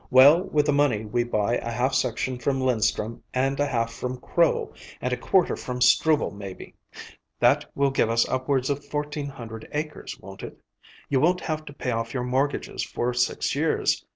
Well, with the money we buy a half section from Linstrum and a half from Crow, and a quarter from Struble, maybe. That will give us upwards of fourteen hundred acres, won't it? You won't have to pay off your mortgages for six years.